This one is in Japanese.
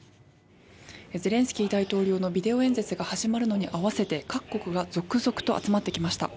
ゼレンスキー大統領のビデオ演説が始まるのに合わせて各国が続々と集まってきました。